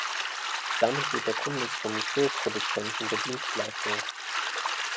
Damit wird der Kunde zum Koproduzenten der Dienstleistung.